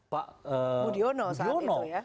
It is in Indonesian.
pak mudi ono saat itu ya